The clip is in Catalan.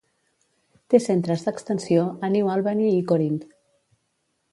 Té centres d'extensió a New Albany i Corinth.